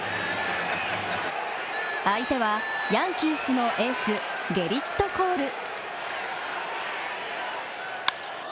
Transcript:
相手は、ヤンキースのエースゲリット・コール。